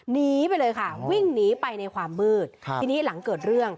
หนีไปเลยค่ะวิ่งหนีไปในความมืดทีนี้หลังเกิดเรื่อง